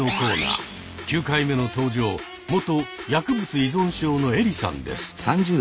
９回目の登場元薬物依存症のエリさんです。